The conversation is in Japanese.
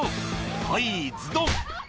「はいズドン！」